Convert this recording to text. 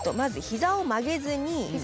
ひざを曲げずに。